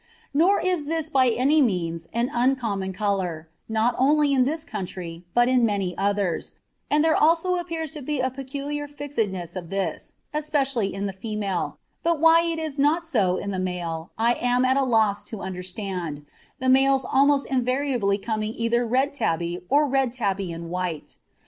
Nor is this by any means an uncommon colour, not only in this country, but in many others, and there also appears to be a peculiar fixedness of this, especially in the female, but why it is not so in the male I am at a loss to understand, the males almost invariably coming either red tabby or red tabby and white.